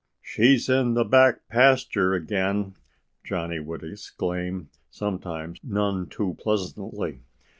"She's in the back pasture again!" Johnnie would exclaim sometimes none too pleasantly.